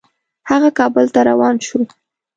هغه کابل ته روان شو.